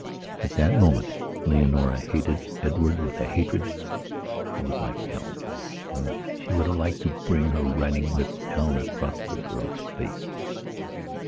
At that moment Leonora hated Edward with a hatred that was like hell, and she would have liked to bring her riding whip down across the girl's face.